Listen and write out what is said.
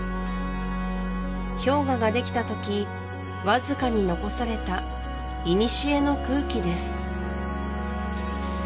氷河ができた時わずかに残された古の空気です